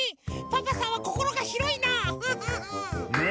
パパさんはこころがひろいな。ね？